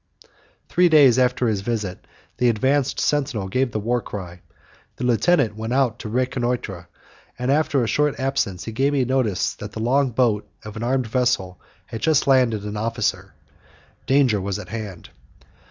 Three days after his visit, the advanced sentinel gave the war cry. The lieutenant went out to reconnoitre, and after a short absence he gave me notice that the long boat of an armed vessel had just landed an officer. Danger was at hand.